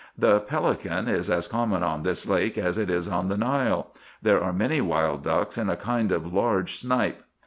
The pelican is as common on this lake as it is on the Nile. There are many wild ducks and a kind of large snipe.